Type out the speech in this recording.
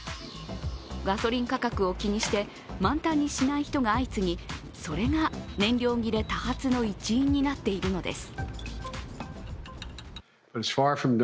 ガソリン価格を気にして満タンにしない人が相次ぎそれが燃料切れ多発の一因になっているのです。